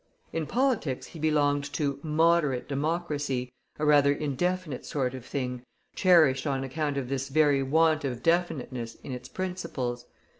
In politics he belonged to "Moderate Democracy," a rather indefinite sort of thing, cherished on account of this very want of definiteness in its principles.